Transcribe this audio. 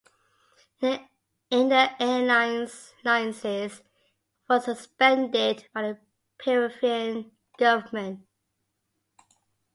In the airline's license was suspended by the Peruvian Government.